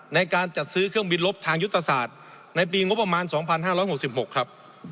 ในการจัดซื้อเครื่องบินลบทางยุติศาสตร์ในปีงบประมาณสองพันห้าร้อยหกสิบหกครับ